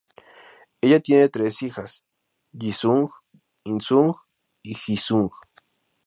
Ella tiene tres hijas: Ji Sung, In Sung y Hee Sung.